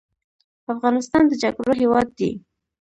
افغانستان د جګړو هیواد دی